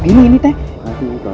ini benar benar bahaya